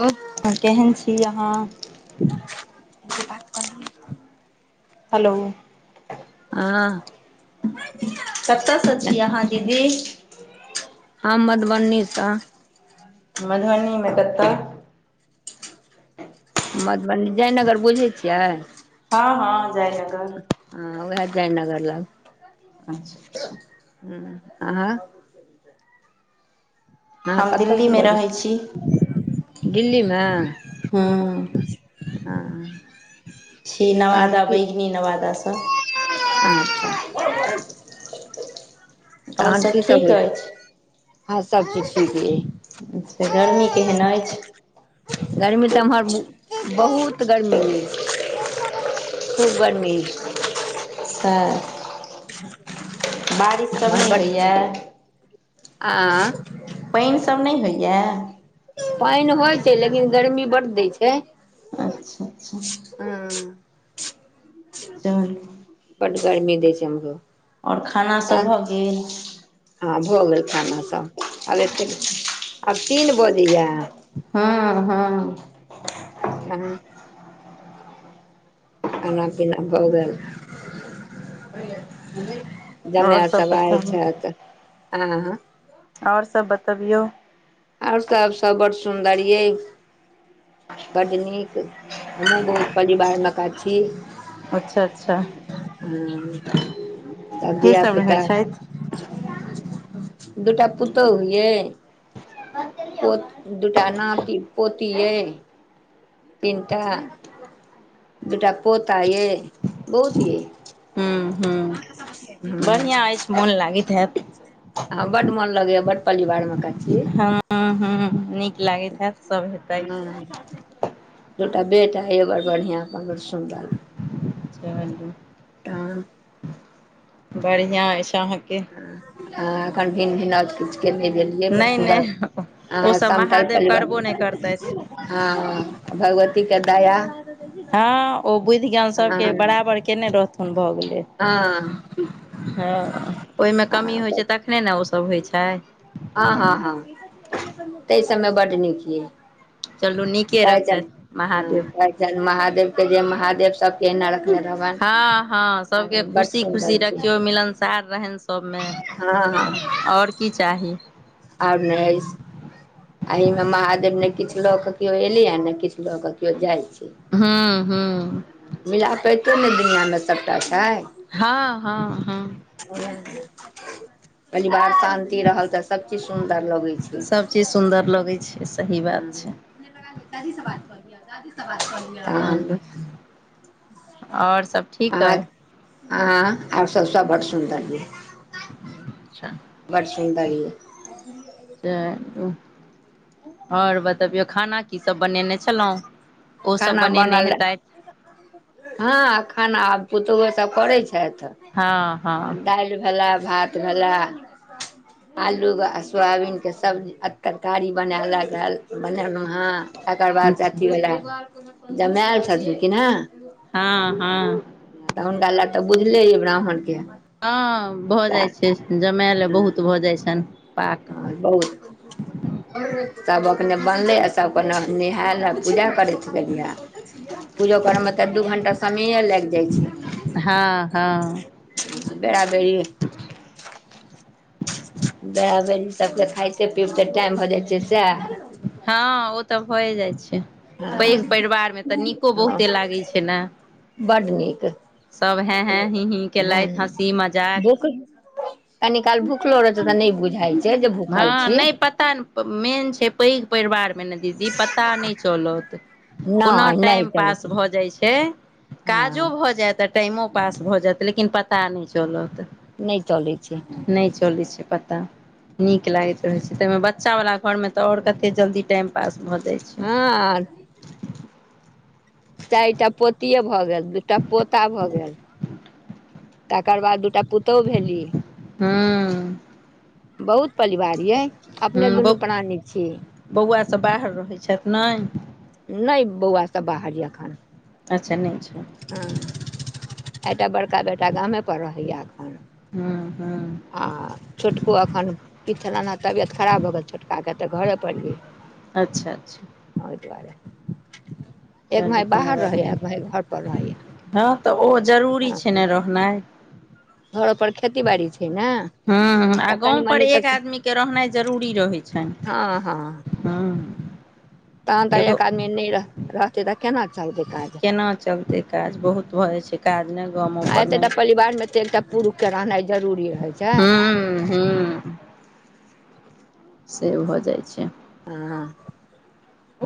Hello केहेन छी अहाँ बात क [unintelligible] हलो आ कतऽ सँ छी अहाँ दीदी। हम मधुबनी सँ मधबनी मे कतऽ मधबनी जयनगर बुझै छियै। हँ हँ जाय ज आं ओहे जयनगर लग अच्छा अच्छा हुॅं आहा अहाॅं हम कतऽ सँ दिल्लीमे बजै रहै छी -दिल्लीमे हुॅं हँ छी नवादा बैगिनी नवादा सॅं [inaudible] आओर तहन सभ की सब ठीक होइ छै अछि हऽ सब चीज ठीक एय अच्छा गरमी केहन ऐछ गर्मी तऽ एम्हर बहुत गर्मी अइछ खूब गर्मी त बारिश सब नय होइए आऽ पैइन सभ नय होइए पैएन होइ छै लेकिन गर्मी बड दैय छै अच्छा अच्छा ह चलू बड गर्मी दै छै एम्हरो ओर खानासब भऽ गेल हँ भऽ गेल खाना सब आब एतेक आब तीन बोजे या हँ हँ हं खाना पीना भऽ गेल [inaudible] जमाए सब आयल छैथ आ आहाँ ओर सब बतबियौ ओर सब सब बड़ सुन्दर यइछ बड नीक हमहुँ बहुत परिवार मका छी अच्छा अच्छा ह तऽ के दिय सब रहै पुता छथि दूटा पुतोह ये पोत दूटा नाती पोती यइ तीनटा दूटा पोता ये बहुत ये ह्म ह्म बढ़िआँ ऐछ मोन लागैत हैत [inaudible] ह बड मन लगैया बड पलिवार मका छी ह हूँ नीक लागैत हैत सभ हेतै ह दूटा बेटा यऽ बड़ बढ़िआँ अपन बड़ सुन्दर चलू तऽ बढ़िआँ ऐछ अहाँके आ एखन भिन भिनाउज किछ केने भेल ये बड नहि सुदाय नहि आ ओसभ समटल महादेव पलिवार करबो नहि करतथि हँ भगवती के दाया हँ ओ बुद्ध ज्ञान सबके बराबर केने रहथुन भऽ गेलै हँ हँ ओयमे कमी होइ छै तखने ने ओ सभ होइ छै हँ हँ हँ तेइ सबमे बड नीक यइ चलू नीके रखतैथ महादेव महादेव के जे महादेव स हँ हँ सबके बड खुशी सुन्दर खुशी छै रखियौ मिलनसार रहेन तबमे हँ ओर की चाही ओर नय ऐछ आ एहि मे महादेव ने किछु लऽ किऔ एलै आ ने किछु लऽ के किऔ जाय छै हँ हँ मिल पैंतो नहि दुनिआँमे सबटा छै हँ हँ हँ परिवार शान्ति रहल तऽ सभ चीज सुन्दर लगै छै चि सुन्दर लगै छै सही बात छै [unintelligible] चलू आओर सब ठीक अइ तहन आ आ आर सोब सब बड़ड सुन्दर यै अच्छा बड़ सुनन्द यै आओर बतबियौ खाना कि की सब बनेने छलहुं, ओ सब खाना बनेने बनल हेतैत हँ खाना आ पुतहु सब करैत छैथ हँ हँ दालि भेला भात भेला आलू आ सोयाबीन के सब्जी आ तरकारी बनाए लाग बनेलहुं हँ तकर बाद से अच्छा अथीवला जमाय आएल छथिन कै नै हँ हँ तऽ हुनका लए तऽ बुझले यै ब्राह्मणके हँ भऽ जाइ तऽ छै जमएलए बहुत भऽ जाइ छनि पाक बहुत सभ अपने बनलै आ सभ अपने नहायल पूजा करैत छै ल पूजो करमे तऽ दू घण्टा समयए लागि जाइ छै हँ हँ बेरा बेरी [inaudible] भएह बहिन सभके खाइते पीबिते टाइम भऽ जाइ छै सेएह हँ ओ तऽ भौए जाइ छै पैघ परिवार मे तऽ नीको हँ बहुते लागैत छै ने बड्ड नीक सब हैं हैं हीं हीं हँ केलथि हँसी मजाक भूख कनी काल भूखलो रहत तऽ नहि बुझाइ छै जे भूखल हँ छी नहि पता नहि मेन छै पैघ परिवार मे ने दीदी पता नहि चोलत कोना नहि नहि टाइम चलै पास छै भऽ जाइ छै काजो हँ भऽ जायत आ टाइमो पास भऽ जायत लेकिन पता नहि चलत नहि चोलै छै नहि चलैत छै पता नीक लागैत रहैत छै तहिमे बच्चा वाला घोर में तऽ आओर छै कतैक जल्दी टाइम पास भऽ जाइ छै हँ चारि टा पोतिऐ भए गेल दूटा पोता भए गेल तकर बाद दूटा पुतोहु भैलि हूँ बहुत परिवार यै हूँ अपने बौ दुनू प्राणी छी बौआ सभ बाहर रहै छथि नय नहि बौआ सब बाहर यै अखन अच्छा नय छै हँ एटा बड़का बेटा गामे पर रहैय एखन हूँ हूँ आ छोटको एखन इतना ना तबियत खराब भऽ गेल छोटका के तऽ घरे पर ये अच्छा अच्छा ओए दुआरे एक चलू भाय कोनो बाहर बात रहैया एक भाय घर पर रहैया नय हँ तऽ ओ जरूरी हँ छै ने रहनाइ घरो पर खेती बाड़ी छैय नऽ ह आ गाँम पर एक आदमी के रहनाइ जरूरी रहै छैन हँ हँ हऽ तहन तऽ एक आदमी नय रह रहते तऽ केना चलतै काज केना चलतै काज बहुत भऽ हू जाइ छै काज ने गामो आ परमे एतेटा परिवार मे तऽ एकटा पुरुष के रहनाइ जरूरी रहै छै हूँ हूँ से भऽ जाइ छै हऽ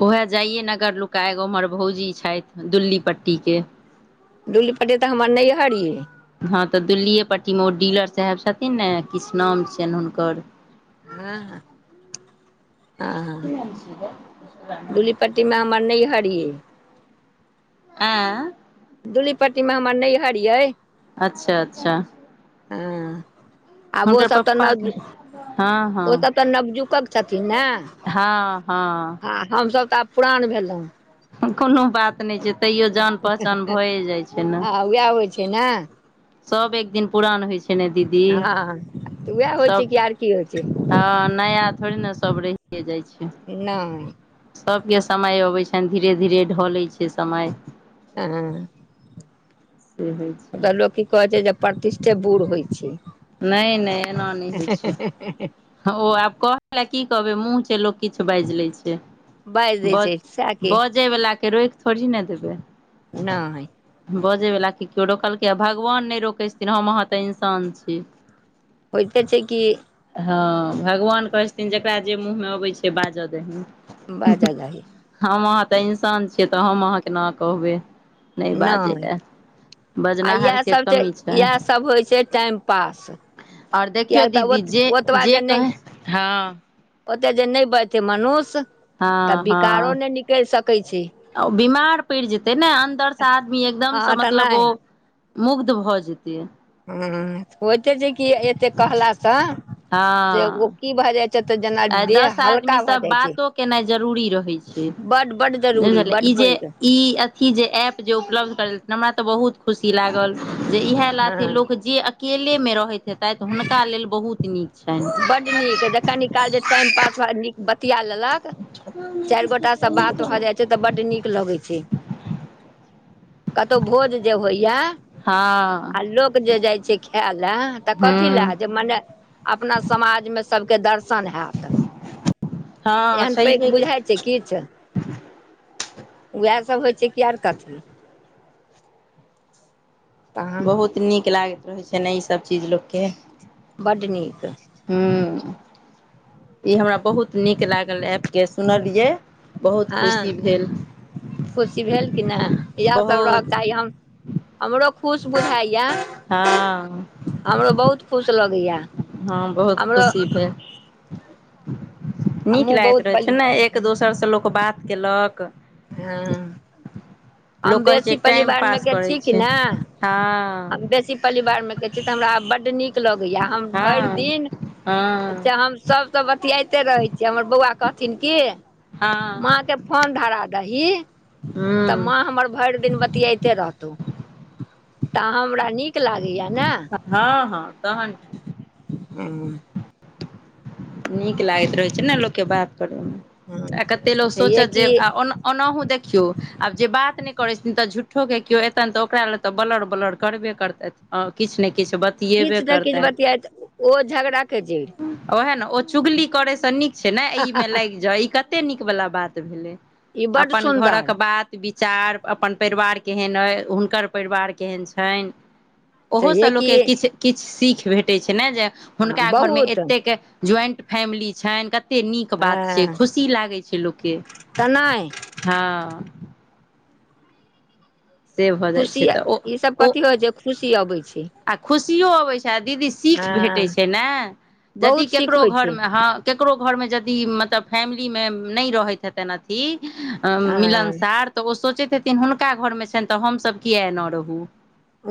उएह जयेनगर लुका एगो उम्हर भौजी छैथ दुल्ली पट्टी के दुल्लीपट्टी तऽ हमर नैयहर ये हँ तऽ दुल्लीए पट्टी मे ओ डीलर साहेब छथिन ने किछ नाम छियेन हुनकर ह हँ हाँ डुलीपटी टी म हमर नैयहर ये आए दूलीपट्टीमे हमर नैहर यै अच्छा अच्छा हँ आब हुनकर ओसभ तऽ पप्पा के न हँ ओ हँ सब तऽ नवजुकक छथिन नै हँ हँ हमस तऽ पुरान भेलो कोनो बात नय छै तैयो जान पहचान भए जाइ छै नऽ वएह होइ छै नऽ सब एक दिन पुरान होइ छै नऽ दीदी हँ तऽ उएह होइ छै सभ कि आर की होइ छै हँ नया थोड़ी नय सभ रेह जाइ छै नय सभके समय अबै छैन धीरे धीरे ढलै छै समय [unintelligible] से होइ एत छै लोक की कहै छै जे प्रतिष्ठे बुढ़ होइ छै नय नय एना नय होइ छै हऽ ओ आब कहै ल की कहबै मुँह छै लोक किछ बाइज लै छै बाजि दै छै बज सएह कि बजयवलाके रोइक थोड़ी ने देबै नय बजे वला के केओ रोकलकै आ भगवान नय रोकै छथिन हम अहाँ तऽ इंसान छी ठीक होयइते छै कि हँ भगवान कहै छथिन जकरा जे मुँहमे अबै छै बाज दहीन बाज दही हम अहाँ तऽ इंसान छियै तऽ हम अहाँ केनाक कहबै नय बाजै नहि लऽ आ याह सभ छैय याह सभ होइ छै टाइम पास आओर देखियौ किएक तऽ ओ दीदी जे जे कहो है ओते जे नैय बजतेमनुष्य तऽ हँ विकारो नैय हँ निकैल सकैत छै बीमार पैर जेतै ने अन्दरसँ आदमी हँ एकदमसँ तऽ मतलब नहि ओ मुग्ध भऽ जेतै हूम होइते छै कि एते कहलाास से ओ की भए जाय चतऽ जेना च आ इ दस आदमी सब बातो केनाइ जरूरी रहे छै बड्ड बड्ड जरूरी बड्ड ई जे पैघ ई अथी जे एप जे उपलब्ध भेलेई हमरा तऽ बहुत खुश इ लागल जे इएह लथे हँ लोक जे अकेलेमे रहैत हेतैथहुनका लेल बहुत नीक छनि बड्ड नीक ज क निकाल जे टाइम पास भ न बतिया लेलक चैर गोटास सब बात भ जाइ छै तऽ बड्ड नीक लगै छै कतो भोज जे होइया हँऽ लोक जे जाइ छै खैय ले तऽ कथी हूँ लए जैय मने अपना समाजमे सबके दर्शन हैत हँ एहन पैघ छैहे कि बुझाइ छै किछ उहासभ होइ छै की आर कथी तहन बहुत नीक लागैत रहै छै नैय इसभ चीज लोककेँ बड्ड नीक हुम्म ई हमरा बहुत नीक लागल ऐप के सुनलियै बहुत खुशी हँ भेल खुशी भेल कि ना इ हासभ बहुत रहक चाही हम हमरो खुश बुझाइया हँ हमरो बहुत खुश लगैया हँ बहुत खुशी भैल नीक हमहूँ लागैत बहुत रहै छैय नैय एक पली दोसर से लोक बात केलक हँ हम लोक कहै छैय बेसी टाइम परिवारमे पास के करै छी कि छैय ने हाऽ हम बेसी पलिवार में के छी तऽ हमरा बड्ड नीक लगैया हम भैर हँ दिन हँ अच्छा हम सभ तऽ बतियाइते रहै छियइ हमर बौआ कहथिन की हँ माँके फोन धरा दही तऽ हुँ माँ हमर भैर दिन बतियाइते रहतौऽ तऽ हमरा नीक लागैया ने हँ हँ तहन उम्म नीक लागैत रहैत छै ने लोकके बात करय मे हँ आ कते लोक छैहे सोचत जैय कि आ ओना ओनाहु देखियौ आब जे बात नहि करैत छथिन तऽ झूट्ठोके केओ एतनि तऽ ओकरा लेल तऽ बलर बलर करबे करतैयथ और किछ ने किछ बत किछ ने किछबतियात ओ झगड़ा के जड़ ओएह ने ओ चुगली करयसँ नीक छै ने ई मे लागि जाओऽ ई कते नीक वला बात भेलै ई बड्ड अपन घरक सुन्दर बात विचार अपन परिवार केहन अइ हुनकर परिवार केहन छैन ओहोसँ छैहे कि लोककेँ किछ किछ सीख भेटैत छै ने जे हुनका घरमे बहुत एतेक ज्वइंट फैमिली छैन कतेक नीक बात छै हँ खुशी लागै छै लोकके तऽ नहि हँऽ से भऽ जाइ छै खुशी तऽ ओ ईसभ ओ कथी होय छै खुशी अबै छै आ खुशियो अबै छै आ दीदी सीख भेटै हँ छै ने यदि बहुत सीख ककरो होइ छै घरमे हँ केकरो घरमे जदि मतलब फैमिलीमे नै रहैत हेतैन अथी हँ मिलनसार तऽ ओ सोचैत हेथिन हुनका घर मे छैन तऽ हमसभ किया एना रहू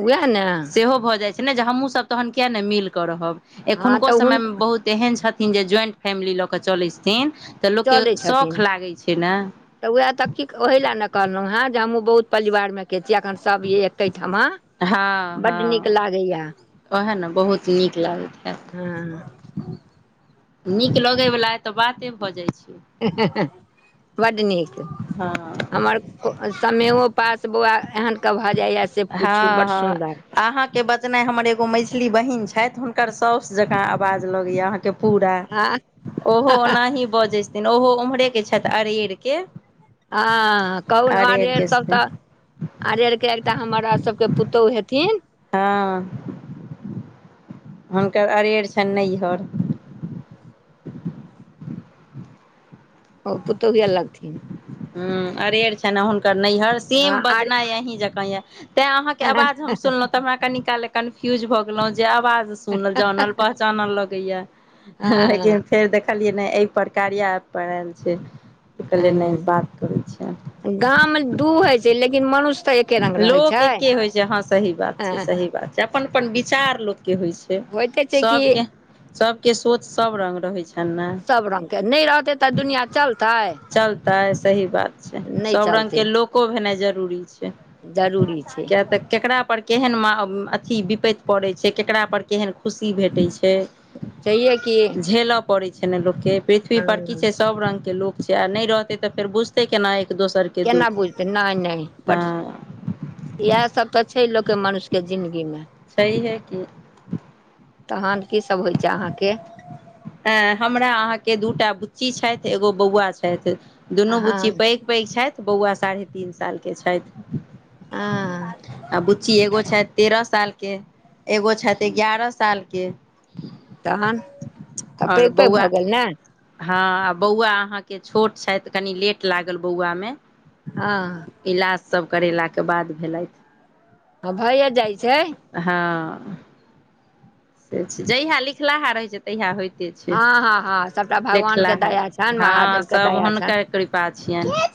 उएह ने सेहोक्षभ जाय छै ने जे हमु सब तहन किया नै मील के रहब हँ एखोनको तऽ हुन समय मे बहुत तेहन छथिन जे ज्वइंट फैमिली लऽ कऽ चलै छथिन तऽ लोकके चलै छथिन शौख लागै छै ने तऽ उएह त की ओहि लए ने कहलहुं हें जे हमहुँ बहुत परलिवार मे के छी एखन सब यै एकेठमा बड्ड नीक लागै या ओहे ने बहुत नीक लागैत हेत ह नीक लगै वला एतऽ बाते भऽ जाय छै [unintelligible] बड नीक हँ हमर आ समेयो पास बौआ एहेन भऽ जाइए से पूछू हँ बड हँ सुन्दर अहाँके बजनाइ हमर एगो मैझली बहिन छैथ हुनकर साउस जकाँ आवाज लगैय अहाँके पूरा आ ओहो ओनाही बजै छथिन ओहो उम्हरेके छैथ अरेरके हँ कहू ने आरेर अरेरके सब छथिन तऽ आरेर के एकटा हमरा सबके पुतौह हेथिन हँ हुनकर अरेर छैन नैहर ओ पुतौहे लगथिन हुॅं अरेर छैन हुनकर नैहर हँ सेम आर बजनाइ अहीं जकाँ यऽ तैं अहाँके आवाज हम सुनलौ तऽ हमरा कनी काल कन्फ्यूज भऽ गेलौ जे आवाज सुनल जानल पहचानल लगैय हँ लेकिन फेर देखलियै नै एहि पर कार्य ऐप पर‌ एल छै त कहलियै नै हँ बात करै छियैन गाम दू होइ छै लेकिन मनुष्य तऽ एक लोक एके होइ छै हँ सही बात छै हँ सही बात छै अपन अपन विचार लोकके होय छै होइते छै कि सबके सबके सोच सब रंग रहै छै सब ऱगके नै रहतै तऽ दुनिआँ चलतै चलतै सही बात छै नहि सब चलतै रंगके लोक [unintelligible] भेनाय जरूरी छै जरूरी छै किया तऽ केकरा पर केहन माह अथी विपैत पड़ै छै केकरा पर केहन खुशी भेटै छै छैहे की झेलऽ पड़ै छै ने लोकके पृथ्वी पर की छै सब रंग के लोक छै आ नै रहतै तऽ फेर बुझतै केना एक दोसरके केना दुःख बुझतै नै नै हँ बट इएहे सब तऽ छै लोकके मनुष्यके जिन्दगी मे [unintelligible] की तहन की सभ होय छै अहाँके अ हमरा अहाँके दूटा बुच्ची छैथ एगो बौआ छैथ दुनू हँ बुच्ची पैघ पैघ छैथ बौआ साढ़े तीन साल के छैथ आ आ बुच्ची एगो छैथ तेरह सालके एगो छैथ एगारह साल के तहन तऽ आओर पैघ पैघ भऽ बौआ गेल ने हँ आ बौआ अहाँके छोट छथि कनि लेट लागल बौआ मे हँ इलाज सब करेलाके बाद भेलथि ह भैया जाइ छै हँ से छै जहिया लिखलाहा रहै छै त तहिया होइते छै हँ हँ हँ सभटा भगवानके लिखलाहा दया छनि हँ महादेवके सब दया छनि हुनकर क्री प्राचियन